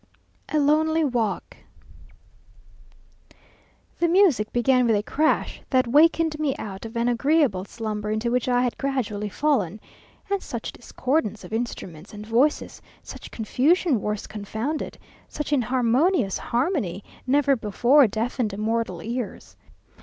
A Lonely Walk The music began with a crash that wakened me out of an agreeable slumber into which I had gradually fallen; and such discordance of instruments and voices, such confusion worse confounded, such inharmonious harmony, never before deafened mortal ears.